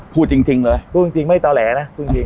พูดจริงจริงเลย